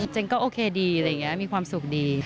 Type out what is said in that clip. เจนก็โอเคดีมีความสุขดี